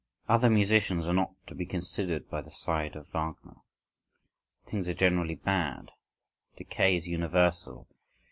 Other musicians are not to be considered by the side of Wagner. Things are generally bad. Decay is universal.